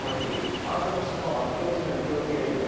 あなたたちの教室での気をつけ、礼みたい。